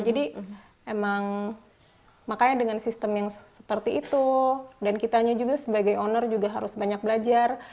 jadi emang makanya dengan sistem yang seperti itu dan kitanya juga sebagai owner juga harus banyak belajar